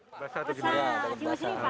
biasa atau gimana